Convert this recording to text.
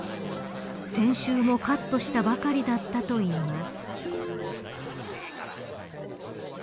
先週もカットしたばかりだったといいます。